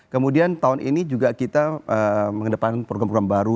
kemudian tahun ini juga kita mengedepankan program program baru